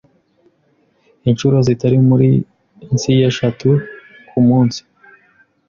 inshuro zitari munsi y’eshatu ku munsi.